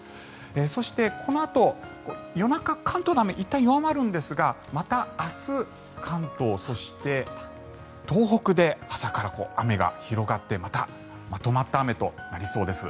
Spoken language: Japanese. そして、このあと夜中関東の雨はいったん弱まるんですがまた、明日関東、そして東北で朝から雨が広がってまたまとまった雨となりそうです。